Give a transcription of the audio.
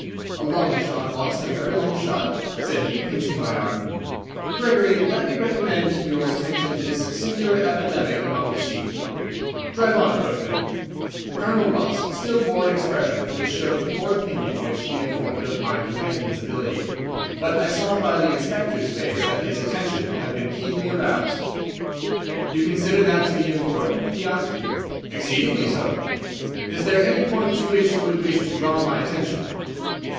"A long shot, Watson; a very long shot," said he, pinching my arm. "Gregory, let me recommend to your attention this singular epidemic among the sheep. Drive on, coachman!" Colonel Ross still wore an expression which showed the poor opinion which he had formed of my companion's ability, but I saw by the Inspector's face that his attention had been keenly aroused. "You consider that to be important?" he asked. "Exceedingly so." "Is there any point to which you would wish to draw my attention?"